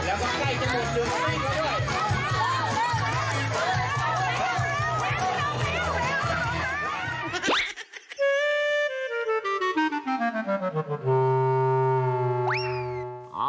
อ้าวแล้วจะลงเต้นแล้วนะคะลงเต้นแล้วนะคะ